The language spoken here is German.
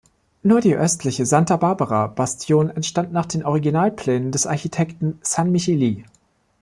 Nur die östliche "Santa-Barbara-Bastion" entstand nach den Originalplänen des Architekten Sanmicheli.